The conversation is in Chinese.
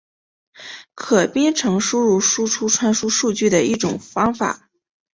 可编程输入输出传输数据的一种方法。